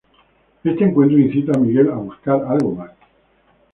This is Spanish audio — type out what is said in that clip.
Este encuentro incita a Miguel a buscar algo más.